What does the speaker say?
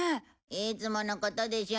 いつものことでしょ。